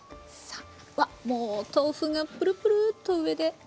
わっもう豆腐がプルプルッと上で。